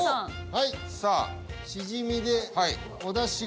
はい。